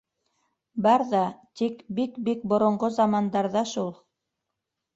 - Бар ҙа... тик бик-бик боронғо замандарҙа шул.